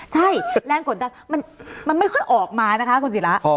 ใช่แรงกดดันมันไม่ค่อยออกมานะคะคุณศิระ